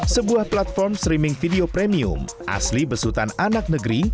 sebuah platform streaming video premium asli besutan anak negeri